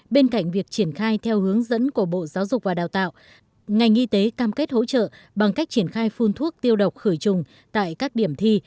bên cạnh việc triển khai theo hướng dẫn của bộ giáo dục và đào tạo ngành y tế cam kết hỗ trợ bằng cách triển khai phun thuốc tiêu độc khử trùng tại các điểm thi